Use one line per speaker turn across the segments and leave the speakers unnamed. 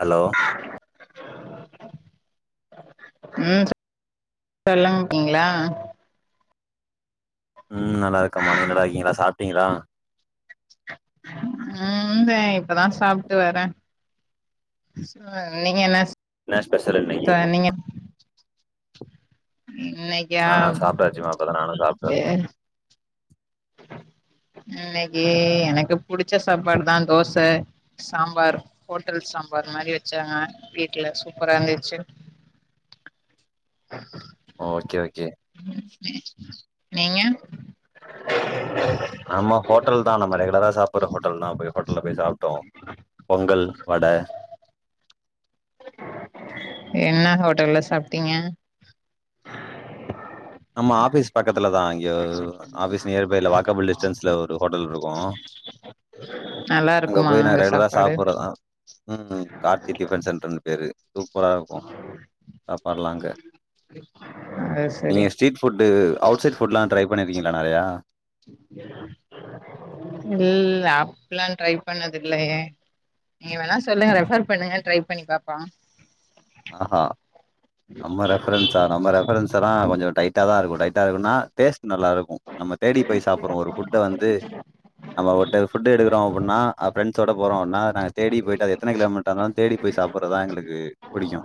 Hello
உம் நல்லா இருக்கீங்ளா
ம் நல்லாருக்கம்மா நீ நல்லா இருக்கீங்களா சாப்ட்டீங்களா
உம் [unintelligible] இப்பதா சாப்ட்டு வரே சொல்லுங்க நீங்க என்ன
என்ன ஸ்பெஷல்
ச
இன்னைக்கி
நீங்க இன்னைக்கா
ஆஹ் சாப்ட்டாச்சுமா இப்பதா நானு சாப்ட்டே
இன்னைக்கி எனக்கு புடிச்ச சாப்பாடு தா தோசை சாம்பார் ஹோட்டல் சாம்பார் மாரி வச்சாங்க வீட்ல சூப்பரா இருந்துச்சு
ஓகே ஓகே
நீங்க
ஆமா ஹோட்டல் தா நம்ம ரெகுலரா சாப்புட்ற ஹோட்டல் தா போய் ஹோட்டல்ல போய் சாப்ட்டோ பொங்கல் வட
என்ன ஹோட்டல்ல சாப்ட்டீங்க
நம்ம ஆபீஸ் பக்கத் த்துல தா இங்க ஆபிஸ் நியர்பைல வாக்கபுள் டிஸ்டன்ஸ்ல ஒரு ஹோட்டல் இருக்கு
நல்லா
அங்க
இருக்குமா
போய் நா ரெகுலரா
சாப்பாடு
சாப்புட்றதா ம் கார்த்திக் டிஃபன் சென்டர்னு பேரு சூப் பராருக்கு சாப்பாட்லா அங்க
அஷ்
நீங்க ஸ்ட்ரீட் ஃபுட்டு அவுட்சைட் ஃபுட்லா ட்ரை பண்ணிருக்கீங்ளா நறையா
இல்ல அப்டில்லா ட்ரை பண்ணது இல்லயே நீங்க வேணா சொல்லுங்க ரெஃபர் பண்ணுங்க ட்ரை பண்ணி பாப்போ
ஆஹா நம்ம ரெஃபரன்ஸா நம்ம ரெஃபரன்ஸ்ஸெலா கொஞ்சோ ட்டா தா இருக்கு டைட்டா இருக்குன்னா டேஸ்ட் நல்லாருக்கு நம்ம தேடி போய் சாப்புட்றோம் ஒரு தேடி போய் சாப்புண்ணு ஒரு ஃபுட்ட வந்து நம்ம ஒரு டைம் ஃபுட்ட எடுக்கிறோ அப்புன்னா ஆ ஃப்ரெண்ட்ஸ்சோட போறோ அவனா நாங்க தேடி போயிட்டு அது எத்தன கிலோமீட்டானாலு தேடி போய் சாப்புட்றதா எங்குளுக்கு புடிக்கோ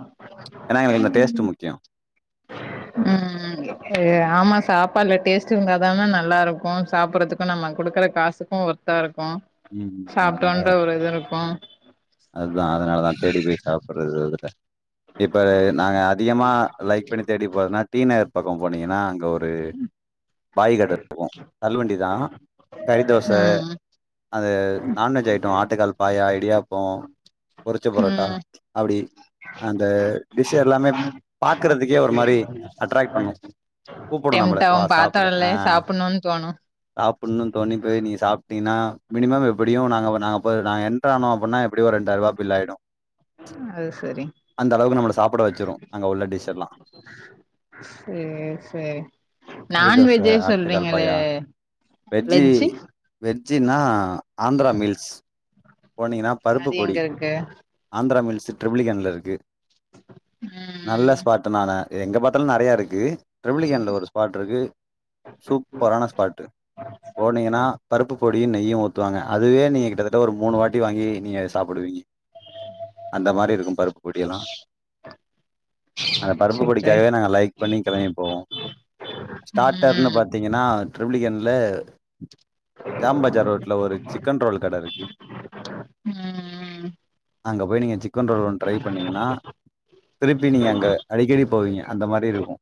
ச்ச ஏனா எங்குளுக் இந்த டேஸ்ட்டு முக்கியு
ஏ ஆமா சாப் பா அத்ல டேஸ்ட்டு இருந்தாதான நல்லாருக்கோ சாப்புட்றதுக்கோ நம்ம குடுக்கற காசுக்கோ ஒர்த்தா இரு
உம் அதனால
இருக்கு
அதுதா அதனாலதா தேடி போய் சாப்புட்றது இதுட இப்பர நாங்க அதிகமா லைக் பண்ணி தேடி போறதுன்னா டீ நகர் பக்கம் போனீங்கன்னா அங்க ஒரு பாய்கட இட்போ தள்வண்டிதா கறி தோச
ம்
அது நான்வெஜ் ஐட்டோ ஆட்டுக்கால் பாயா இடியாப்போ பொறிச்ச பரோட்டா
ம்
அப்டி அந்த டிஷ்ச எல்லாமே பாக்கறதுக்கே ஒரு மாரி அட்ராக்ட் பண்ணு கூப்புடோ நம்மள
டெம்டாவு
வா சாப்புடு ஆ
பாத்தோனே சாப்புணுன் தோணு
சாப்புன்னு தோணி போய் நீங்க சாப்ட்டீங்னா மினிமம் எப்புடியு நாங்க வ நாங்க ப நாங்க என்டர் ஆனோ அப்பன்னா எப்டியு ஒரு ரெண்டாயருவா பில்லாயிடோ
அது சரி
அந்த அளவுக்கு நம்மள சாப்புட வச்சுரு அங்க உள்ள டிஷ் எல்லா
சேரி சேரி
கறிதோச
நான்வெஜ்ஜே
ஆட்டுக்கால்
சொல்றீங்களே
பாயா வெஜ்ஜி
வெஜ்ஜு
வெ ஜின்னா ஆ ஆந்திரா மீல்ஸ் போனீங்கனா பருப்பு
அது எங்க
பொடி
இருக்கு
ஆந்திரா மீல்ஸு ட்ரிப்ளிகேன்ல இருக்கு நல்ல
ம்
ஸ்பார்ட்டு நான எங்க பாத்தாலு நறையா இருக்கு ட்ரிபிளிகேன்ல ஒரு ஸ்பாட் இருக்கு சூப்பரான ஸ்பாட்டு் போனீங்கனா பருப்பு பொடி நெய்யு ஊத்துவாங்க அதுவே நீங்க கிட்டத்தட்ட ஒரு மூணு வாட்டி வாங்கி நீங்க சாப்புடுவீங்க அந்த மாரி இருக்கு பருப்பு பொடியெல்லா அந்த பருப்பு
சரி
பொடிக்காகவே நாங்க லைக் பண்ணி கெளம்பி போவோ ஸ்டார்டர்னு
ம்
பாத்தீங்கனா ட்ரிப்ளிகேன்ல ஜாம் பஜார் ரோட்ல ஒரு சிக்கன் ரோல் கட இருக்கு
ம்
அங்க போய் நீங்க சிக்கன் ரோல் ஒன் ட்ரை பண்ணீங்கனா திருப்பி நீங்க அங்க அடிக்கடி போவீங்க அந்த மாரி இருக்கோ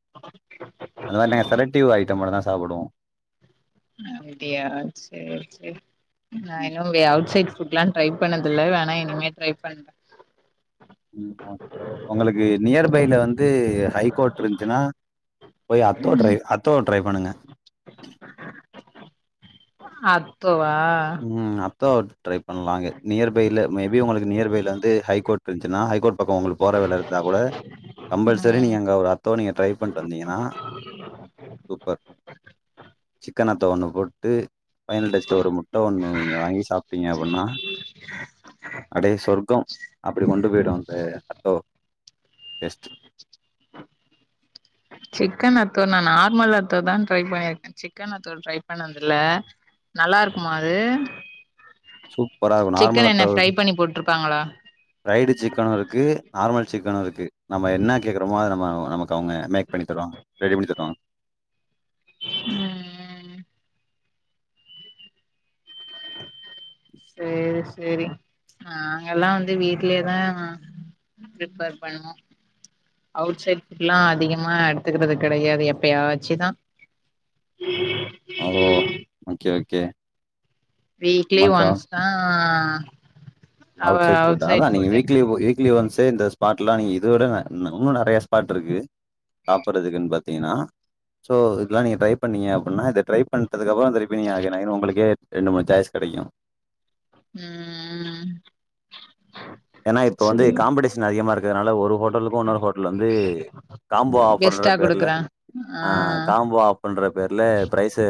அந்த மாரி நாங்க செலக்டிவ் ஐட்டம் மட்டுதா சாப்புடுவோ
அப்டியா சேரி சேரி நா இன்னு வே அவுட்சைட் ஃபுட்லா ட்ரை பண்ணன்தில்ல வேணா இனிமே ட்ரை பண்றே
உங்களுக்கு நியர்பைல வந்து ஹைகோர்ட் திருன்ச்சுனா போய் அத்தோ
ம்
ட்ரை அத்தோ ட்ரை பண்ணுங்க
அத்தோவா
உம் அ தோ ட்ரை பண்லாங்கு நியர்பைல மே பி உங்களுக்கு நியர்பைல வந்து ஹைகோர்ட் ருன்ச்சுனா ஹைகோர்ட் பக்கோ உங்களுக் போற வேல இருந்தா கூட கம்பல்செரி
ம்
நீங்க அங்க ஒரு அத்தோ நீங்க ட்ரை பண்ட்டு வந்தீங்கனா சூப்பர் சிக் கனத்தோ ஒன்னு போட்டு ஃபைனல் டச்ல ஒரு முட் ஒண்ணு நீங்க வாங்கி சாப்டீங்க அபின்னா அடே சொர்க்கம் அப்டி கொண்டு போய்டு அந்த அத்தோ டேஸ்ட்.
சிக்கனத் தோ நா நார்மல் அத்தோ தா ட்ரை பண்ணியிருக்கே சிக்கன் அத்தோ ட்ரை பண்ணதுல்ல நல்லாருக்குமா அது
சூப்பராருக்கு நார்மல் அத்தோ விட
பாங்களா
ஃபிரைடு சிக்கனும் இருக்கு நார்மல் சிக்கனும் இருக் க்கு நம்ம என்ன கேக்குறோமோ அத அத நம நமக்கு கௌங்க மேக் பண்ணி தருவாங்க ரெடி பண்ணி தருவாங்க
ம் செரி செரி நாங்கல்லா வந்து வீட்டுலயே தான் பிரிப்பர் பண்ணுவோம் அவுட் சைட் ஃபுட்லா அதிகமா எடுத்துக்கிறது கிடையாது எப்பாச்சுதான்
ஓ ஓக்கே ஓக்கே
வீக்லி ஒன்ஸ் தான் அ
அவுட்சைட் ஃபுட் அதான் நீங்க வீக்லி வீக்லி ஒன்ஸ் டே இந்த ஸ்பாட்லா நீ இது வர உன்னும் நெறைய ஸ்பாட் இருக்கு சாப்பறதுக்கு பாத்தீங்கன்னா சோ இதுலா ட்ரை பண்ணீங்க அப்டினா இத ட்ரை பண்ணறதுக்கு அப்புற அந்த திருப்பியு நீங்க [unintelligible] உங்களுக்கே ரெண்டு டாய்ஸ் கடைக்கும்
உம்
ஏன்னா இப்ப வந்து காம்படிஷன் அதிகமா இருக்கிறதுனால ஒரு ஹோட்டலுக்கும் இன்னொரு ஹோட்டல் வந்து காம்போ ஆஃபர் என்ற
கெஸ்ட்டா
பேருல
குடுக்குறே
ஆஹ்
ஆ
காம்போ ஆஃபர் என்ற பேர்ல பிரைஸ்சு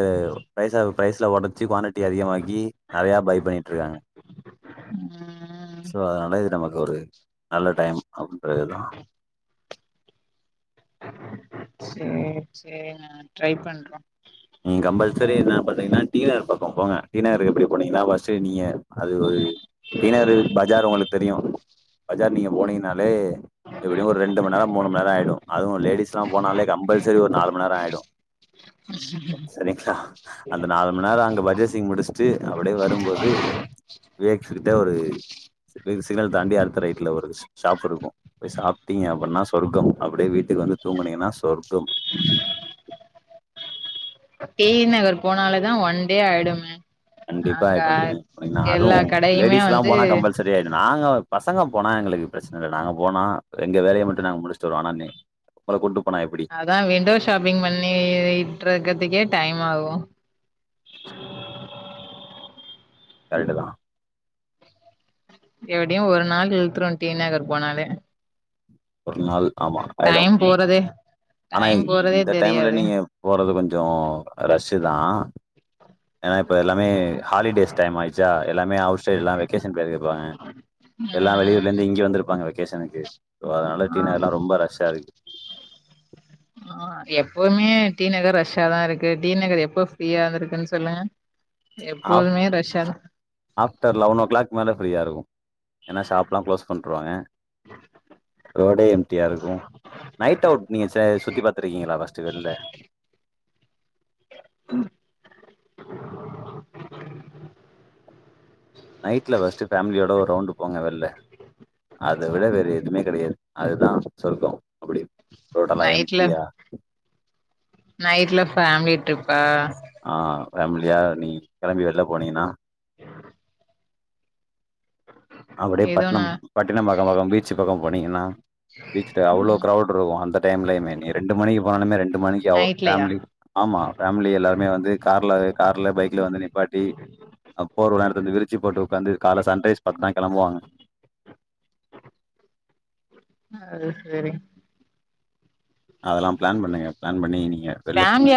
பிரரைஸா பிரரைஸ்ல உடைச்சு குவான்நெட் ட்டி அதிகமாக்கி நெறையா பைய் பண்ணி ட்ருக்காங்க
ம்
சோ அத நமக்கு ஒரு நல்ல டைம் அப்படின்றதுதான்
சேரி சேரி நான் ட்ரை பண்றோம்
ம் கம்பல்சரி என்ன பண்ணிறீங்கன்னா டீநகர் பக்கம் போங்க டீனருக்கு எப்படி போனீங்கன்னா ஃப்ர்ஸ்ட்டு நீங்க அது ஒரு திணறு பஜார் உங்களுக்கு தெரியும் பஜார் நீங்க போனீங்கனாலே எப்படியும் ஒரு ரெண்டு மணி நேரம் மூணு மணி நேரம் ஆயிடும் அதுவும் லேடிஸ் எல்லா போனாலே கம்பல்சரி ஒரு நாலு மணி நேரம் ஆயிடும் செரின்கா அந்த நாலு மணி நேரம் அங்க பர்சேஸ்சிங் முடிச்சுட்டு அப்படியே வரும்போது வேக்ஸ் கிட்ட ஒரு சிக்னல் தாண்டி அடுத்த ரைட்ல ஒரு ஷாப் இருக்கும் போய் சாப்பிட்டீங்க அப்படின்னா சொர்க்கம் அப்படியே வீட்டுக்கு வந்து தூங்குனீங்கன்னா சொர்க்கம்
டீநகர் போனாலேதான் ஒன் டே ஆயிடுமே
கண்டிப்பா
அங்க
ஆயிடும் டீநகர் போனீங்கன்னா
எல்லா
அதுவும்
கடையுமே
லேடிஸ் எல்லாம்
வந்து
போனா கம்பல்சரி ஆயிடும் நாங்க பசங்க போனா எங்களுக்கு பிரச்சனை இல்லை நாங்க போனா எங்க வேலையை மட்டும் நாங்க முடிச்சுட்டு வருவோம் ஆனா நீ உங்களை கூட்டு போனா எப்டி
அதான் விண்டோ ஷாப்பிங் பண்ணி இட்டறக்குதே டைம் ஆவும்
கரெட்டுதான்
எப்படியும் ஒரு நாள் இழுத்துரும் டீநகர் போனாலே
ஒரு நாள் ஆமாம் ஆயிடும்
டைம் போறதே
ஆனால்
டைம் போறதே
இந்த டைம்ல
தெரியாது
நீங்க போறது கொஞ்சம் ரஷ் தான் ஏன்னா இப்ப எல்லாமே ஹாலிடேஸ் டைம் ஆயி தியா எல்லாமே அவுட் சைடுல்லாம் வெகேஷன் வெளிய போவாங்க எல்லா வெளியூர்ல
ம்
இருந்து இங்கே வந்திருப்பாங்க வெக்கேஷனுக்கு ஏ ஓ அதுனால டீ
ஆ
நகர் எல்லாம் ரொம்ப ரஷ்ஷா இருக்கு
ஆஹ எப்பவுமே டி நகர் ரஷ்ஷாதான் இருக்கு டி நகர் எப்போ ஃப்ரீயாந்து இருக்குன்னு சொல்லுங்க எப்போதுமே
ஆஃப்ட்
ரஷ்ஷாதா
ஆஃப்டர் லெவன் ஓ கிளாக் மேல ஃப்ரீயா இருக்கும் ஏன்னா ஷாப்லாம் க்ளோஸ் பண்ருவாங்க ரோடே எம்டியா இருக்கும் நைட் அவுட் நீங்க சுத்தி பாத்திருக்கீங்களா ஃபஸ்ட் வெளில
உம்
நைட்ல ஃபஷ்டு ஃபேமிலியோட ஒரு ரவுண்டு போங்க வெளில அத விட வேற எதுவுமே கிடையாது அதுதான் சொர்க்கம்
நைட்ல நைட்ல ஃபேமிலி ட்ரிப்பா
ஆஹ் ஃபேமிலியா நீ கிளம்பி வெல்ல போனீங்கன்னா அப்படியே
எதுனா
பட்னம் பட்டினப்பாக்கம் வரும் பீச் பக்கம் போனீங்கன்னா பீச்ல அவ்ளோ
ம்
கிரௌடு இருக்கும் அந்த டைம்லயுமே நீ ரெண்டு மணிக்கு போனாலுமே ரெண்டு மணிக்கு
நைட்லயா
ஃபேமிலி ஆமா ஃபேமிலி எல்லாருமே வந்து கார்ல கார்ல பைக் வந்து நிப்பாட்டி போர்வ எல்லா எடுத்து வந்து விரச்சி போட்டு உட்காந்து கால சன்ரைஸ் பாத்து தான் கிழம்புவாங்க
அது சரி
அதெல்லாம் பிளான் பண்ணுங்க பிளான் பண்ணி நீங்க வெல்ல போங்க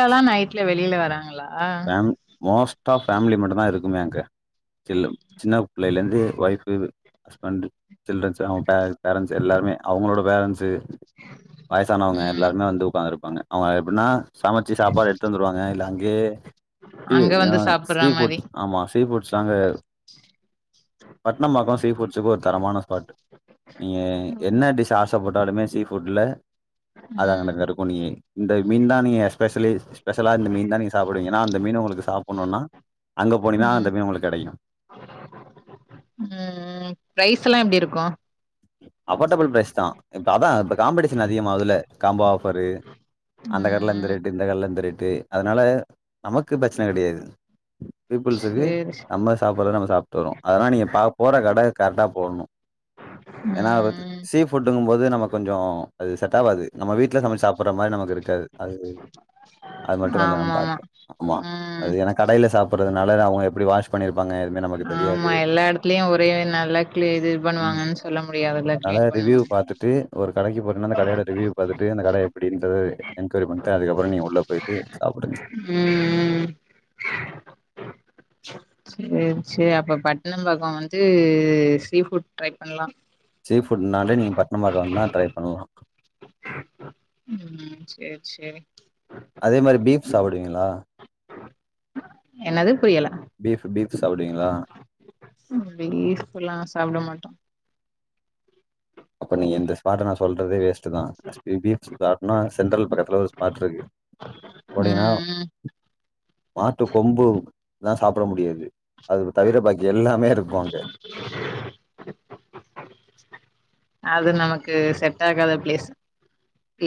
நாங்களா
ஃபேம் மோஸ்ட்டா ஆ ஃபேமிலி மட்டும் தான் இருக்குமே அங்க சில்லும் சின்ன பிள்ளையில இருந்து ஒய்ஃப் ஹஸ்பண்ட் சில்டரன்ஸ் அவங்க பேர பேரன்ட்ஸ் எல்லாருமே அவுங்களோட பேரண்ட்ஸு வயசானவங்க
ம்
எல்லாருமே வந்து உக்காந்துருப்பாங்க அவ எப்பிட்னா சமச்சி சாப்பாடு எடுத்து வந்துருவாங்க இல்ல அங்கேயே டி
அங்க வந்து
ஆஹ்
சாப்புட்ற
சீ
மாரி
ஃபுட்ஸ் ஆமா சீ ஃபுட்ஸாங்க பட்டனம்பாக்கொ சீ ஃபுட்ஸ்க்கு ஒரு தரமான ஸ்பாட் நீங்க
ம்
என்ன டிஷ் ஆச தபட்டாலுமே சீ ஃபுட்ல அதங்ன கருக்கு நீ இந்த மீன் தா நீய பெஷலிஸ்ட் பெசலா இந்த மீன் தா நீங் சாப்டுவிங்க அந்த மீன் ஒங்களுக்கு சாப்புணூனா
உம் உம் ப்ரைஸ்லா எப்டி இருக்கு
அப்பர்டபுள் ப்ரைஸ் தா இப்ப அதா இப்ப காம்படிஷன் அதிகமாதுல காம்போ ஆஃபரு அந்த கட்ல இந்த
ம்
ரேட்டு இந்த கட்ல இந்த ரேட்டு அதனால நமக்கு பிரச்சன கெடையாது பிப் புல்ஸுக்கு
சேரி சே
நம்ப சாப்புற நம்ம சாப் டோரு அதலா நீங்க பா போற கட கரெட்டா போட்ணு ஏனாவ
ம்
சீ ஃபுட்டுங்கும் போது நம்ம கொஞ்ஜோ அது செட் ஆவாது நம்ப வீட்ல சமச்சி சாப்புற மாரி நமக்கு இருக்காது அது அது மட்டு கொஞ்ஜோ நம்ம
ஆமாமா
பாத்து ஆமா
ம்
அது ஏனா கடைல சாப்புட்றதுனால அவங்க எப்டி வாஷ் பண்ணிருப்பாங்க எதுமே நமக்கு தெரியாது
எல்லா எடத்துலயு ஒரே நல்ல க்ளி இது பண்ணுவாங்கன் சொல்ல முடியாதுலா க்ளீன் பண்ணுவாங்
டு ஒரு கடைக்கு போரனா அந்த கடயோட ரிவ்யூ பாத்துட்டு அந்த கட எப்டின்டு என்கொயரி பண்ட்டு அதுகப்றோ நீங்க உள்ள பொய்ட்டு சாப்டுங்க
உம் உம் சேரி சே அப்ப பட்னம்பாக்கொ வந்து சீ ஃபுட் ட்ரை பண்லா
சீ ஃபுட்னாலே நீங்க பட்னம்பாக்கொ வந்தா ட்ரை பண்லா
செரி
அதே மாரி பீஃப் சாப்புடுவிங்களா
என்னது புரியல
பீஃப்பு பீஃப் சாப்புடுவிங்களா
பீஃப்புலா சாப்ட மாட்டோ
அப்ப நீங்க இந்த ஸ்பாட்ட நா சொல்றதே வேஸ் டுதா ஸ்பி பீஃப் பாட்னா சென்ட்ரல் பக்கதுல ஒரு ஸ்பாட் இருக்கு போனிங்கனா
ம் ம்
மாட்டு கொம்பு தா சாப் போட முடியாது அது தவிர பாக்கி எல்லாமேருக் குவாங்க
அது நமக்கு செட் ஆகாத பிளேஸு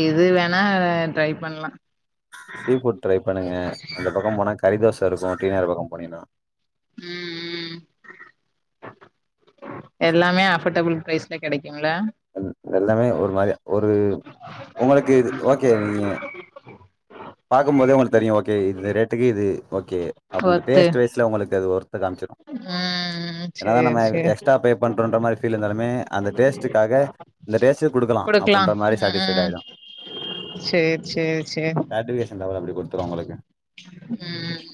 இது வேணா ட்ரை பண்லா
சீ ஃபுட் ட்ரை பண்ணுங்க அந்த பக்கம் போனா கறிதோச [unintelligible] இருக்கு அந்த பக்க போனினா
ம் ம் எல்லாமே அபோர்டபுள் ப்ரைஸ்ல கெடைக்
எல்லாமே ஒரு மாரிதா ஒரு ஒங்ளுக்கு இது ஓகே நீங்க பாக்கும் போதே ஒங்ளுக்கு தெரியு ஓகே இது இந்த ரேட்டுக்கு இது ஓகே அப்டின்டு
ஒர்த்து
டேஸ்ட் வய்ஸ்ல ஒங்ளுக்கு அது ஒ ர்த்த காம்ச்சிரு
ம்
ஏனா
சேரி
நம்ப
சேரி
எக்ஸ்ட்டா பே பண்டுவண்ட்ட மாரி ஃபீல் இருந்தாலுமே அந்த டேஸ்டுக்கு காக இந்த டேஸ்ட்டே குடுக்கலா அப்டின்ற மாரி சேட்டிஸ்ஃபைடு ஆய்டு
சேரி சேரி சேரி
சாடிஸ்பேஷன் லெவல்ல அப்டி குடுத்துடு உங்களுக்கு
ம்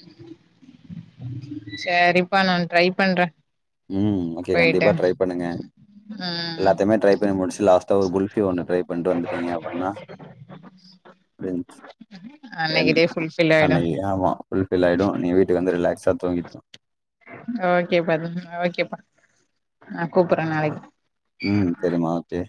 சேரிப்பா நா ட்ரை பண்றே
ம் ஓகே
போயிட்டு
கண்டிப்பா ட்ரை பண்ணுங்க
ம்
எல்லாத்தையுமே ட்ரை பண்ணி முடிச்சு லாஸ்ட்டா ஒரு குல்ஃபி ஒண்ணு ட்ரை பண்ட்டு வந்துட்டீங்க அப்டின்னா முடிஞ்ச்
அன்னைக்கு
என்
டே ஃபுல்ஃபில் ஆயிடு
ஆன்லைன்லியா ஆமா ஃபுல்ஃபில் ஆயிடு நீ வீட் வந்து ரிலாக்ஸ் துங்கிபோ
ஓகேப்பா [unintelligible] ஓகேப்பா நா கூப்ட்ற நாளைக்
உம் சரிமா ஓகே